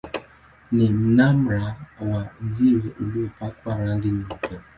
Ni mnara wa jiwe uliopakwa rangi nyeupe.